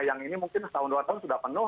yang ini mungkin setahun dua tahun sudah penuh